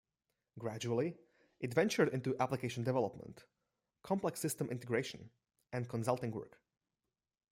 Gradually, it ventured into application development, complex systems integration and consulting work.